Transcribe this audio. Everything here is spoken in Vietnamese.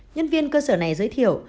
nhân viên cơ sở này giới thiệu